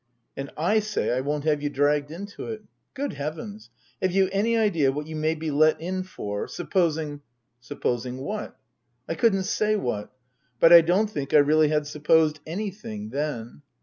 " And / say I won't have you dragged into it. Good Heavens, have you any idea what you may be let in for, supposing ?"" Supposing what ?" I couldn't say what. But I don't think I really had supposed anything then.